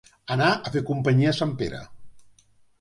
Anar a fer companyia a sant Pere.